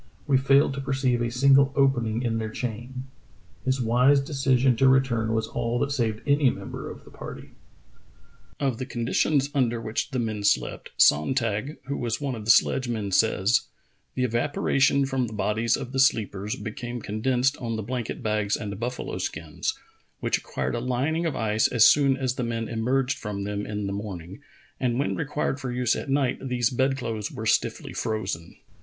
We failed to perceive a single opening in their chain. " His wise decision to return was all that saved any member of the party. Of the conditions under which the men slept, Sonntag, who was one of the sledgemen, says: "The evaporation from the bodies of the sleepers became condensed on the blanket bags and buffalo skins, which acquired a lining of ice as soon as the men emerged from them in the morn ing, and when required for use at night these bedclothes were stiffly frozen.